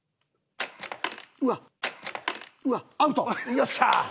よっしゃー！